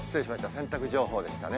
洗濯情報でしたね。